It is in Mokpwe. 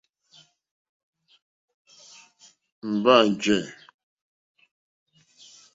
Mbâ njɛ̂.